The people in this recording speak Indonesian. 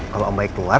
kalau om baik keluar